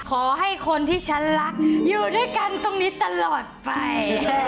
ขอให้คนที่ฉันรักอยู่ด้วยกันตรงนี้ตลอดไป